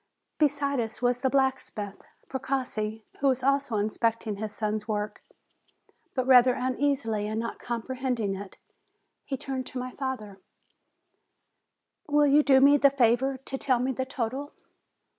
Beside us was the blacksmith, Precossi, who was also inspecting his son's work, but rather uneasily, and not comprehending it. He turned to my father : "Will you do me the favor to tell me the total?"